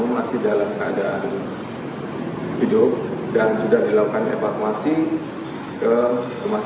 mengakuasi guru guru yang ada di kmes dan dibawa ke polres